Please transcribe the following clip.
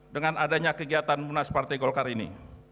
dengan adanya kegiatan munas partai golkar ini